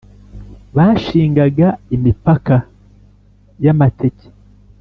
bashingaga imipaka y’amateke.